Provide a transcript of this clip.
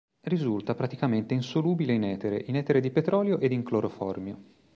Risulta praticamente insolubile in etere, in etere di petrolio ed in cloroformio.